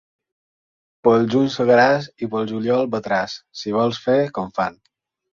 Pel juny segaràs i pel juliol batràs, si vols fer com fan.